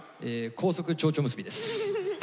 高速ちょうちょ結びです。